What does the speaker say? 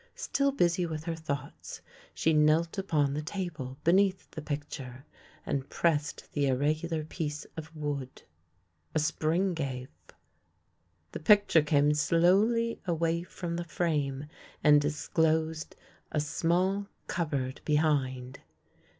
Still busy with her thoughts, she knelt upon the table beneath the picture and pressed the irregular piece of wood. A spring gave, the picture came slowly away from the frame and disclosed a small cupboard behind.